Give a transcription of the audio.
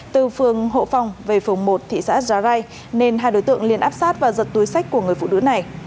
từ phường hộ phòng về phường một thị xã giá rai nên hai đối tượng liên áp sát và giật túi sách của người phụ nữ này